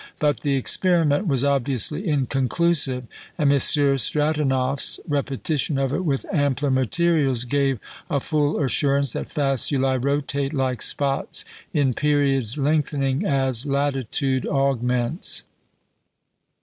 But the experiment was obviously inconclusive; and M. Stratonoff's repetition of it with ampler materials gave a full assurance that faculæ rotate like spots in periods lengthening as latitude augments.